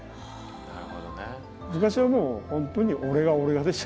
なるほどね。